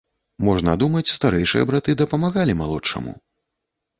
Можна думаць, старэйшыя браты дапамагалі малодшаму.